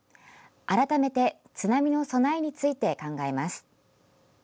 改めて津波の備えについて考えます。